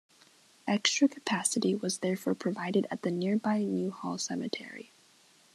Extra capacity was therefore provided at the nearby New Hall Cemetery.